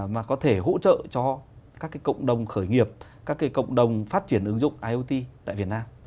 mà có thể hỗ trợ cho các cộng đồng khởi nghiệp các cái cộng đồng phát triển ứng dụng iot tại việt nam